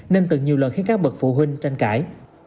nên từng nhiều lần khiến các bậc phụ huynh tranh cãi